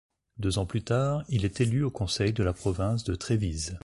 Deux ans plus tard, il est élu au conseil de la province de Trévise.